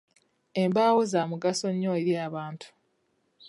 Embaawo za mugaso nnyo eri abantu.